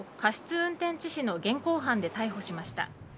運転致死の現行犯で逮捕しました。